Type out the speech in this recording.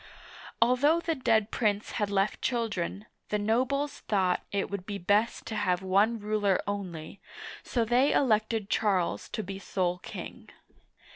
Al though the dead prince had left children, the nobles thought it would be best to have one ruler only, so they elected Charles to be sole king.